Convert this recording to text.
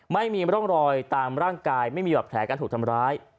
ไม่มีร่องรอยตามร่างกายไม่มีบาดแผลการถูกทำร้าย